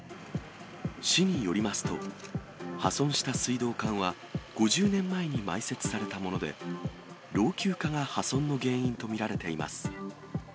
市によりますと、破損した水道管は５０年前に埋設されたもので、老朽化が破損の原因と見られています。